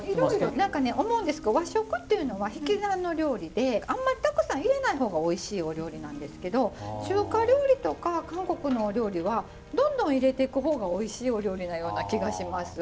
何かね思うんですけど和食っていうのは引き算の料理であんまりたくさん入れない方がおいしいお料理なんですけど中華料理とか韓国のお料理はどんどん入れてく方がおいしいお料理なような気がします。